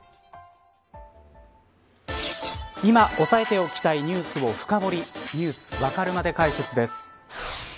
今、押さえておきたいニュースを深掘りニュースわかるまで解説です。